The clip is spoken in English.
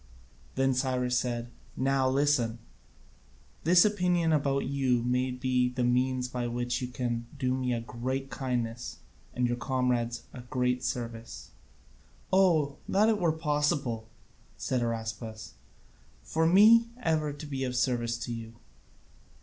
Then Cyrus said, "Now listen: this opinion about you may be the means by which you can do me a great kindness and your comrades a great service." "Oh, that it were possible!" said Araspas, "for me ever to be of service to you!"